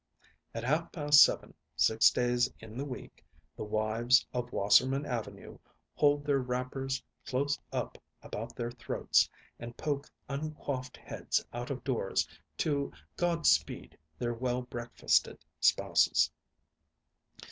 At half past seven, six days in the week, the wives of Wasserman Avenue hold their wrappers close up about their throats and poke uncoifed heads out of doors to Godspeed their well breakfasted spouses.